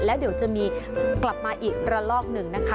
แล้วเดี๋ยวจะมีกลับมาอีกระลอกหนึ่งนะคะ